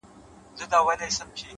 • خاوري دي ژوند سه ـ دا دی ارمان دی ـ